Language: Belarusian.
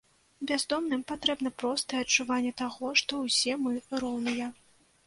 Бяздомным патрэбна простае адчуванне таго, што ўсе мы роўныя.